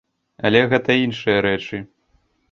Але гэта іншыя рэчы.